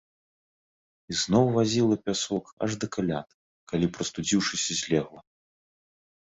І зноў вазіла пясок аж да каляд, калі, прастудзіўшыся, злегла.